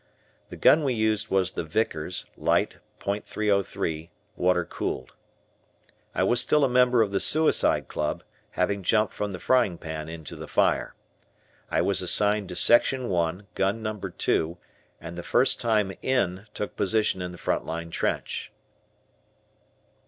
The gun we used was the Vickers, Light .303, water cooled. I was still a member of the Suicide Club, having jumped from the frying pan into the fire. I was assigned to Section I, Gun No. 2, and the first time "in" took position in the front line trench.